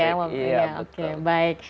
ya oke baik